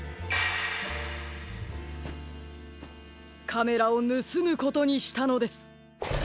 カメラをぬすむことにしたのです。